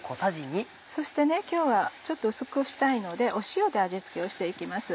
そして今日はちょっと薄くしたいので塩で味付けをして行きます。